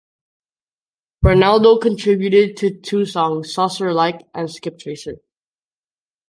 Ranaldo contributed to two songs, "Saucer-Like" and "Skip Tracer".